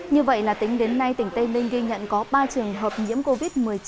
như vậy là tính đến nay tỉnh tây ninh ghi nhận có ba trường hợp nhiễm covid một mươi chín